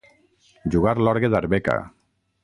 Jugar l'orgue d'Arbeca.